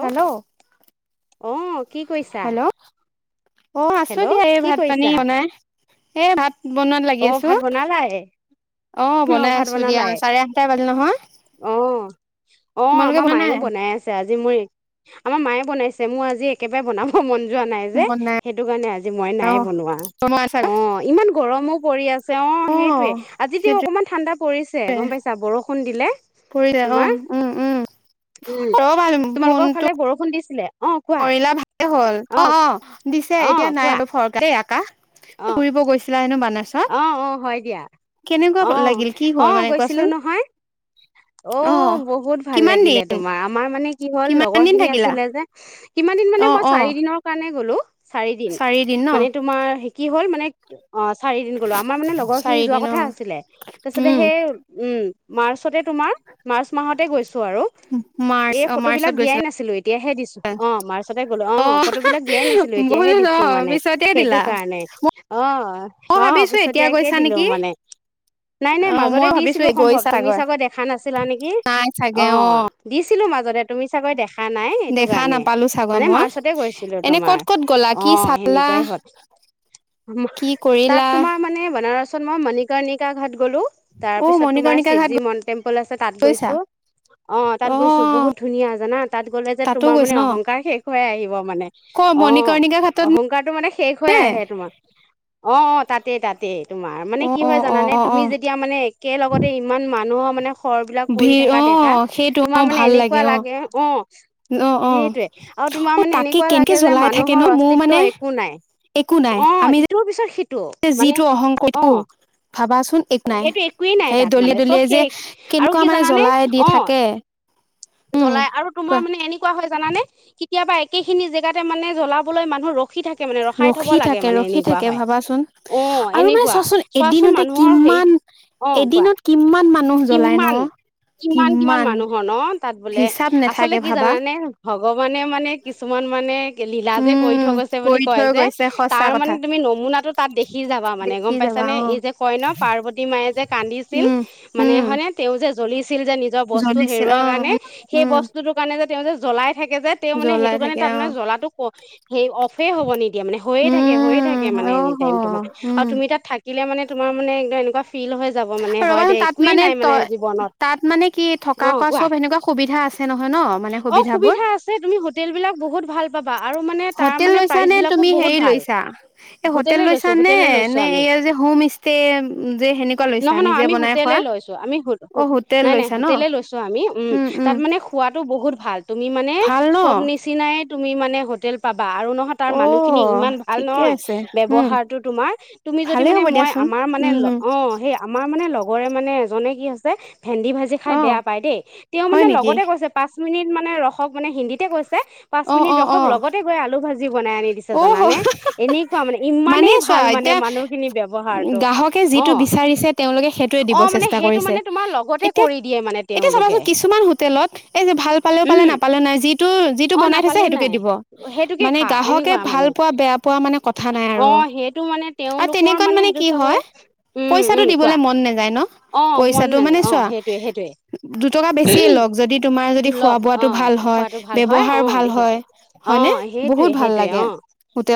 Hello অ কি কৰিছা অ আছো দিয়া এই ভাত পানী বনাই এ ভাত বনোৱাত লাগি আছো অ বনাই আছোঁ দিয়া চাৰে আঠটা বাজিল নহয় তোমালোকে বনাই আজি মোৰ আমাৰ মায়ে বনাইছে মোৰ আজি একেবাৰে বনাব মন যোৱা নাই যে সেইটো কাৰণে আজি আজি মই নাই বনোৱা অ ইমান গৰম অও পৰি আছে অ সেইটোয়ে আজি দি অকণমান ঠাণ্ডা কৰিছে গম পাইছা বৰষ ষুণ দিলে ফুৰি যায় অ উম উম অ বাইদেউ ফোনটো কৰিলা ভালে হ'ল অ অ দিছে এতিয়া নাই ফৰকাল কা ফুৰিব গৈছে মই এনে অ অ হয় দিয়া অ অ গৈছিলোঁ নহয় অ বহুত ভাল লাগিলে তোমাৰ আমাৰ মানে কি হল লগৰ খিনি আছিলে যে, কিমান দিন মানে মই চাৰি দিনৰ কাৰণে গলো চাৰি দিন, মানে তোমাৰ কি হ'ল মানে অ' চাৰিদিন গ'লো আমাৰ মানে লগৰ খিনি যোৱা কথা আছিলে তাৰ পিছতে সেই উম মাৰ্চতেই তোমাৰ মাৰ্চ মাহতেই গৈছো আৰু, এই ফটো বিলাক দিয়াই নাছিলো, এ এতিয়াহে দিছো, অ', মৰ্চতেওঁ গলো অ', ফটো বিলাক দিয়াই নাছিলো এতিয়াহে দিছো মানে সেইটো কাৰণে, অ'। অ', পিছতিয়াকেই দিলোঁ মানে, নাই, নাই মাজতে দিছিলোঁ সম্ভৱ তুমি চাগে দেখা নাছিলা নিকি, অ', দিছিলো মাজ যতে, তুমি চাগে দেশ থা নাই হইটো কাৰণে, মানে মাৰ্চতাই গৈছিলো তোমাৰ, অ', হেনেকুৱাই হল, উমব তাত তোমাৰ মানে বেনাৰস পিছত মই মনিকৰ্নিকা ঘাট গ'লো তাৰপিছত তোমাৰ শিভি মন টেম্পল আছে তাত গৈছো, অ', তাত গৈছো বহুত ধুনীয়া জানা তাত গ'লে যে তোমাৰ মানে অহংকাৰ শেষ হৈ আহিব। মানে, অ', অহংকাৰটো মানে শেষ হৈ আহে তোমাৰ। অ', অ', তাতে, তাতে। তোমাৰ মানে কি হয় জানা নে তুমি যেতিয়া মানে একেলগতে ইমান মানুহক মানে ঘৰ বিলাক পৰি থকা দেখা তোমাৰ মানে এনেকুৱা লাগে, অ', হইটোৱাই আৰু তোমাৰ মানে এনেকুৱা লাগে যে মানুহৰ অস্তিত্ব একো নাই, অ', ইটোৰ পিছত কিন্তু মানে, অ', সেইটো একুৱাই নাই তাত মানে চব শেষ আৰু কি জানানে, অ', জ্বলাই আৰু তোমাৰ মানে এনেকুৱা হয় জানানে কেতিয়াবা একেখিনি জেগাতে মানে জলাবলৈ মানুহ ৰখ ৰখি থাকে মানে ৰখাই থব লাগে মানে এনেকুৱা হয়। আৰু মানে চোৱাচোন এদিনতে কিমান, এদিনত কিমান কিমান, কিমান, কিমান মানুহৰ ন তাত বোলে আচলতে কি জানানে ভগৱানেই মানে কিছুমান মানে লীলা যে কৰি থৈ গৈছে বুলি কয় যে, তাৰ মানে তুমি নমুনাটো তাত দেখি যাবা মানে গম গম্পাইছানে, এই যে কয় ন পাৰ্বতী মাছাই যে কান্দিছিল। মানে হইনে তেওঁ যে জ্বলি চিল যে নিজৰ বস্তু হেৰুৱা কাৰণে, সাই বস্তুটো কাৰণে যে তেওঁ যে জ্বলাই থাকে যে তেওঁ মানে সেইটো কাৰণে তাত মানে জ্বলাটো স অফে হব নিদিয়া মানে, হৈয়ে থাকেয়ে থাকে, মানে এনি টাইম তোমাৰ আৰু তুমি তাত থাকিলে মানে তোমাৰ মানে একদম এনেকুৱা ফিল হৈ যাব মানে হয় দেই। মানে ত তাত মানে কি থকা কোৱা চব এনেকুৱা সুবিধা আছে নহয় ন মানে সুবিধাবোৰ। হোটেল লৈছা নে তুমি হেৰি লৈছা, এই হোটেল লৈছা নে নে এই যে হোম ষ্টে যে সেনেকুৱা লৈছা নিজে বনাই হোটেলে লৈছো আমি নাই নাই হোটেলে লৈছো আমি উম তাত মানে খোৱাতটো বহুত ভাত তুমি মানে, সব নিচিনাই তুমি মানে হোটেল পাব বা আৰু নহয় তাৰ মানুহ খিনি ইমান ভাল নহয় বৱ্যহাৰতো, তোমাৰ তুমি যদি মানে মই আমাৰ মানে অ সেই আমাৰ মানে ৰে মানে এজনে কি আছে। ভেন্দি ভাজি খাই বেয়া পায় দেই তেওঁ মানে লগতে কৈছে পাঁচ মিনিট ম মানে ৰসক মানে হিন্দীতে কৈছে পাচ মিনিট ৰখক লগতে গৈ আলু ভাজি বনাই আনি দিছে জানানে এনেকুৱা মানে ইমানেই ভাল মানে মানুহখিনি ব্যৱহাৰটো, অ'। দ চেষ্ট এতিয়া এতিয়া চাবাচোন কিছুমান হোটেলত এই যে ভাল পালেও পালে নাপালে নাই যিটো যিটো বনাই থছে সেইটোকে দিব মানে গ্ৰাহকে ভাল পোৱা বেয়া পোৱা মানে কথা নাই আৰু, আৰু তেনেকুৱাত মানে কি হয়, পইচাটো দিবলে মন নেযায়। পইচাটো মানে চ দুটকা বেছি লক তোমাৰ যদি খোৱা বোৱাটো ভাল হয় বৱ্যহাৰ ভাল হয় হয় বহুত অ'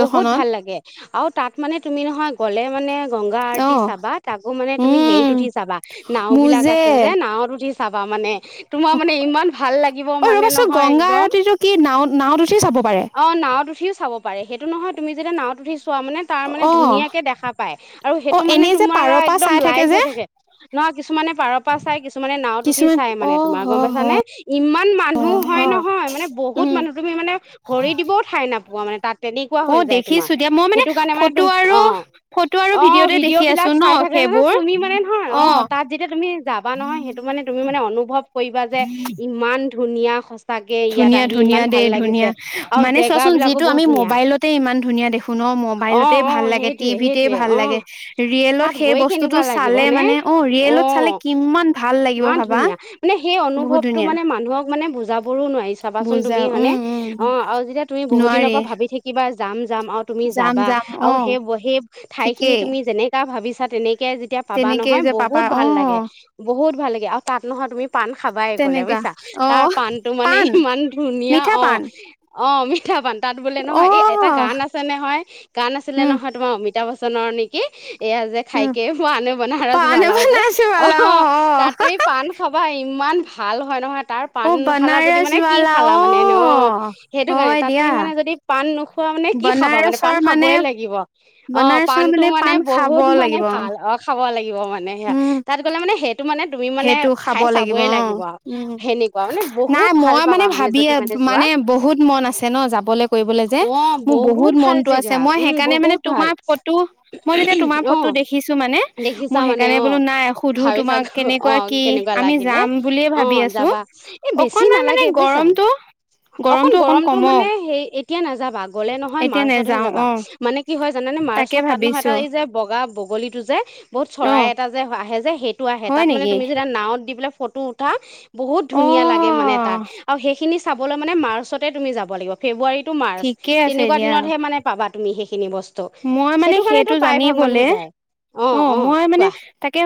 বহুত ভাল লাগে আৰু তাত মানে তুমি নহয় গ'লে মানে গংগা আৰতি চাবা তাকো মানে তুমি হেৰিটো উঠি চাবা নাও বিলাক আছে যে নাওত উঠি চাবা মানে। তোমাৰ মানে ইমান ভাল লাগিব মানে নহয় একদম অ', নাওত উঠিও চাব পাৰে সেইটো নহয় তুমি যেতিয়া নাৱত উঠি চোৱা মানে তাৰ মানে ধুনীয়াকে দেখা পায় আৰু সেইটো মানে তোমাৰ একদম লাইভ হৈ থাকে। নহয় কিছুমানে পাৰৰ পৰা চাই কিছুমানে নাৱত উঠি চাই মানে তোমাৰ গম পাইছানে ইমান মানুহ হয় নহয় মানে বহুত মানুহ তুমি মানে ভৰি দিবও ঠাই নাপ ৱা মানে তাত [unintelligible] অ', দেখিছো দিয়া মই মানে ফটো আৰু ফটো আৰু ভিডিঅ'তে দেখি আছো ন সেইবোৰ। অ', তাত যেতিয়া তুমি যাবা নহয় সেইটো মানে তুমি মানে অনুভৱ কৰিবা যে ইমান ধু ধুনীয়া সঁচ ধুনীয়া ধুনীয়া দেই ধুনীয়া মানে চোৱাচোন যিটো আমি মোবাইলতে ইমান ধুনীয়া দেখো ন মোবাইলতে ভাল লাগে টিভিতে ভাল লাগে ৰিয়েলত সেই বস্তুতটো চা চালে মানে অ ৰিয়েলত চালে কিমান ভাল লাগিব ভাবা বহুত ধুনীয়া মানে বুজাব বুজাবও নোৱাৰি চাবাচোন তুমি মানে অ আৰু যেতিয়া তুমি বহুত দিনৰ পৰা ভাবি থাকিবা যাম যাম আৰু তুমি যাবা আৰু সেই সেই ঠাই খিনি তুমি যেনেকা ভাবিছা তেনেকে আছি পাবা নহয় বহুত ভাল লাগে বহুত ভাল লাগে আৰু তাত নহয় তুমি পাণ খাবাই গলে বুজিছা তাৰ পাণটো মানে ইমান ধুনীয়া অ অ মিঠা পান তাত বোলে নহয় এই এটা গান আছে নহয় গান আছিলে নহয় তোমাৰ অমিত অমিতা বচ্চনৰ ন নেকি এয়া যে খাইকে মই আনে বানাৰাছ ৱালা যে অ তাত তুম পাণ খাবা ইমান ইমান ভাল হয় নহয় তাৰ পাণ নখালা যদি মানে কি খালা মানে ন সেইটো কাৰণে তাত তুমি মানে যদি পাণ নোখোৱা খোৱা মানে কি খাবা মানে পাণ খাবই লাগিব বানাৰসৰ মানে পাণ খাব লাগিব খাব লাগে কিয় মানে সেয়া তাত গ'লে মানে সেইটো মানে সেইটো খাব লাগিব অ উ নাই মই মানে ভাবি মানে বহুত মন আছে ন যাবলে কৰিবলে যে মোৰ বহুত মনতটো আছে মই সেইকাৰণে মানে তোমাৰ ফটো মই যেতিয়া তোমাৰ ফটো দেখিছো মানে মই সেইকাৰণে বোলো নাই সুধো তোমাক অ কেনেকুৱা লাগিলে অ যাবা এই বেছি নালাগে বুজিছা অকণ গৰমতটো মানে সেই এতিয়া নাযাবা গ'লে নহয় মাৰ্চতহে যাবা মানে কি হয় জানোনে মাৰ্চত তাত নহয় এটা এই যে ব অ বগলী টো যে বহুত চৰাই এটা যে আহে যে সেইটো আহেঢ় তাত মানে তুমি যেতিয়া নাৱত দি পেলাই ফটো উঠা বহুত ধুনীয়া লাগে মানে তাত আৰু সেইখিনি চাবলৈ মানে মাৰ্চতে তুমি যাব লাগিব ফেব্ৰুৱাৰীত মাৰ্চ তেনেকুৱা দিনত হে মানে পাবা তুমি সেই খিনি বসু সেইটো কাৰণ তো প্ৰায় ভাগ মানুহ যায় অ মই মানে তাকে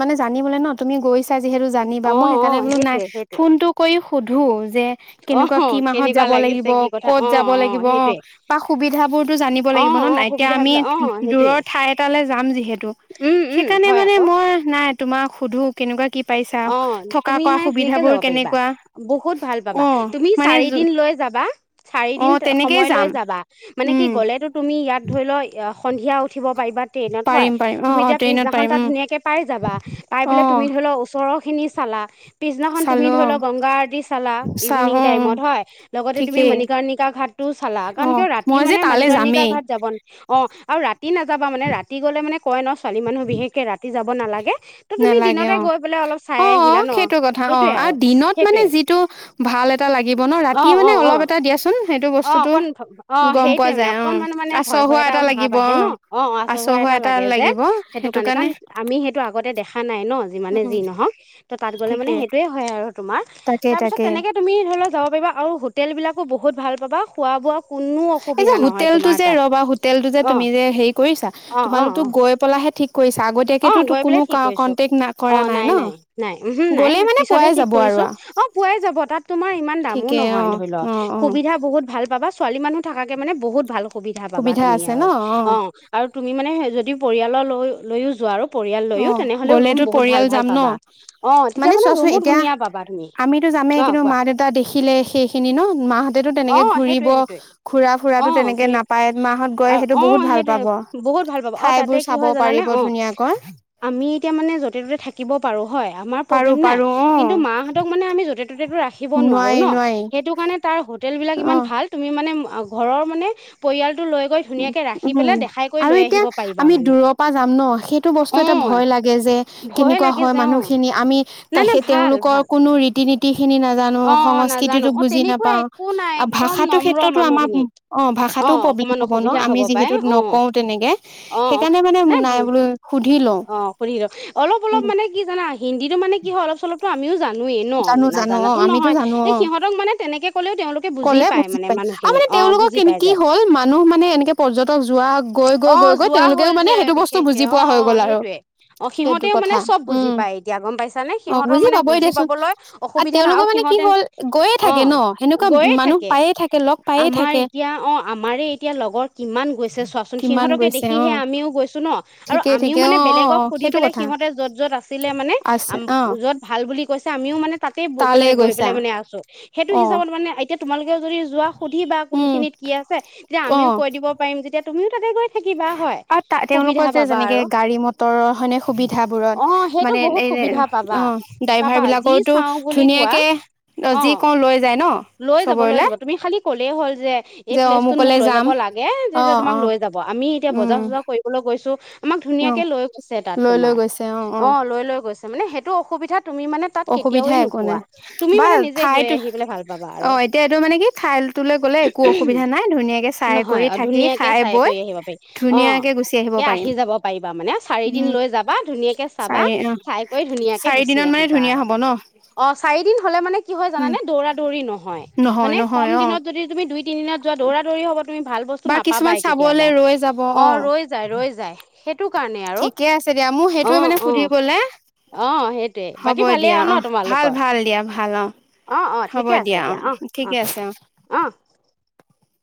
মানে জানিবোলে ন তুমি গৈছা যিহেতু জানিবা মই সেইকাৰণে বোলো নাই ফোনতটো কৰি সুধো যে কেনেকুৱা কি মাহত যাব লাগিব কত যাব লাগিব অ বা সুবিধা বোৰতো জানিব লাগিব ন এতিয়া আমি দূৰৰ ঠাই এটালৈ যাম যিহেতু সেইকাৰণে মানে মই নাই তোমাক সুধো কেনেকুৱা কি অ তুমি মানে ধুনাকে যাব পাৰিবা বহুত ভাল পাবা তুমি চাৰিদিন লৈ যাবা চাৰিদিন সময় লৈ যাবা মানে কি গ'লেতো তুমি ইয়াত ধৰি লও সন্ধিয়া উঠিব পাৰিবা তেইনত হয় তোমি তেতিয়া পিছদিনা খন ধুনীয়াকৈ পায় যাবা পায় পেলাই তোমি ধৰিল ঘৰখিনি চালা পিছদিনাখন তুমি ধৰি লওক গংগা আৰতি চালা ইভিনিং টাইমত হয় লগতে তুমি মণিকাৰ্ণিকা ঘাটটো চালা কাৰণ কিয় ৰাতি মানে মণিকাৰণিকা ঘাট যাব অ আৰু ৰাতি নাযাবা মানে ৰাতি গ'লে মানে কয় ন ছোৱালী মানুহ বিশেষকৈ ৰাতি যাব নালাগে ত তুমি দিনতে গৈ অ সেইটো কথা অ আৰু দিনত মানে যিটো ভাল এটা লাগিব ন ৰাতি মানে অলপ এটা দিয়াচোন অ অকন অ সেইটোয়ে মানে অকনমানান মানে ভয় ভয় এটা ভাৱ আহে ন অ অচহোৱা এটা লাগে যে সেইটো কাৰণে কাৰণ আমি সেইটো আগতে দেখা নাই ন যিমানে যি নহক ত তাত গ'লে মানে সেইটোয়ে হয় আৰু তুমাৰ তাৰ পিছত তেনেকে তুমি ধৰি লোৱা যাব পাৰিবা আৰু হোটেল বিলাক বহুত ভাল পাবা খোৱা বোৱা এই যে হোটেলতটো যে ৰবা হোটেলটো যে তুমি যে হেৰি কৰিছা তোমালোকতো গৈ পেলাহে ঠিক অ গৈ পেলাই ঠিক কৰিছো অ নাই নাই নাই উম নাই পিছতহে ঠিক কৰিছো অ পুৱাই যাব তাত তোমাৰ ইমান দামো নহয় ধৰি লওক সুবিধা বহুত ভাল পাবা ছোৱালী মানহ থাকে মে বহুত ভাল সুবিধা পাবা তুমি আৰু অ আৰু তুমি মানে যদি পৰিয়ালৰ লৈ লৈয়ো যোৱা আৰু অ গলেতো পৰিয়াল যাম ন মানে চোৱাচোন এতিয়া আমিতো যামেই কিন্তু মা দেউতা দেখিলে সেইখিনি ন মাহঁতেটো তেনেকে ঘুৰিব ঘুৰা ফুৰাতো তেনেকে নাপায় মাহত গৈ সেইটো বহুত ভাল পাব ঠাই বোৰ চাব পাৰিব ধুনীয়া কৈ আমি এতিয়া মানে য'তে ত'তে থাকিব পাৰোঁ হয় আমাৰ প্ৰব্লেম নাই কিন্তু মাহতক মানে আমি য'তে ত'তেটো ৰাখিব নোৱাৰো ন সেইটো কাৰণে তাৰ হোটেল বিলাক ইমান ভাল তুমি মানে ঘৰৰ মানে পৰিয়াল টো লৈ গৈ ধুনীয়াকে ৰাখি পেলাই দেখাই কৰি লৈ আহিব পাৰিবা মানে ন সেইটো বস্তু এটা ভয় লাগে যে কেনেকুৱা হয় মানুহখিনি আমিই তেওঁলোকৰ কোনো ৰীতি নতি খিনি নাজানো সংস্কৃতিতো বুজি নাপাওঁ। আৰু ভাষাো ক্ষেত্ৰতো আমাৰ -অ, ' ভাষাটো প্ৰব্লেম অসুবিধা হ'ব পাই। অ, ' অ, ' অ, ' নাই অ, শুধিল অলপ অলপ মানে কি জানা, হিন্দী মানে- মে কি হয় অলপ, চলপটো আমিও জনোৱে ন জানো নহয় এই সিহঁতক মানে তেনেকে কলেও তেওঁলোকে বুজি [unintelligible] পায় মানে মানুহখিনি অ' বুজি পাই যায়। অ', যোৱা হল যে বিশেষকে অ', ' অ', সেইটয়ে অ', সিহঁতেও মানে চব বুজি পায়। এতিয়া গম পাইছানে, সিহঁতৰ মানে বুজি পাবলৈ [inaudible] আৰু তেওঁলোকৰ মানে কি হ'ল গৈয়ে থাকে ন, সেনেকুৱা মানুহ পায়ে থাকে। লগ পায়ে থাকে। আমাৰে এতিয়া লগৰ কিমান গৈছে চোৱাচোন সিহঁতকে দেখিহে আমিও গৈছো ন। আৰু আমিও মানে বেলেগক সুধি পেলাই সিহঁতে য'ত য'ত আছিলে মানে, আম‌ যত ভাল বুলি কৈছে, আমিও মানে [unintelligible] মানে গৈ পেলাই মানে আছো। সেইটো হিচাপত মানে তোমাল যদি যোৱা সুধিবা, কোন খিনিত কি আছে। তেতিয়া আমিও কৈ দিব পাৰিম যেতিয়া তুমও ততে গৈাকে। অ', ত তেওঁলোকৰ যে যেনেকে, গাড়ী মটৰৰ হয়নে সুবিধাাবোৰত মানে এই, অ', ড্ৰাইভাৰ বিলাকৰো চাও বুলি কোৱা। অ, লৈ যাব, লৈ যাব। তুমি খালি ক'লেই হ'ল। যে, এই প্লেচটোত মোক লৈ যাব লাগে তেতিয়া, তোমাক লৈ যাব, আমি এতিয়া‌ বজাৰ চজাৰ কৰিবলৈ গ [inaudible] আমাক ধুনীয়াকে লৈ গৈছে তাত তোমাৰ। অ', লৈ-লৈ গৈছে মানেইটো [unintelligible] অসুবিধা তুমি ম কেতিয়াওে নোপোৱা তুমি মানে নিজে গৈ আহি পেলাই ভাল পাবা আৰু [unintelligible] নহয়। অ, ধুনীয়াকে চাই কৰি আহিব পাৰি। অ, কে, আহি যাব পাৰিবা। মানে চাৰি দিন লৈ যাবা। ধুনীয়াকে চাবা চাই কৰি ধুনীয়াকে গুচি আহিবা আৰু। অ, চাৰিদিন [unintelligible] হ'লে মানে কি হয় জানে, দৌৰা-দৌৰি নহয়। মানে কম দিনত যদি তুমি দুই তিনিিন যোৱা, দৌৰা-দৌৰি হ'ব। তুমি ভাল বস্তু নাপাবাই কেতিয়াবা। অ, ৰৈ, যায়। ৰৈ যায়। স কাৰণে আৰু। অ, ' অ, ' অ, ' সেইটয়ে, বাকী দিয়া। অ', ভাল-ভাল দিয়া। ভাল। অ', হ'ব, দিয়া। অ', ঠিকে আছে। অ'।